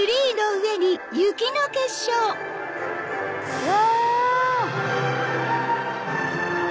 うわ！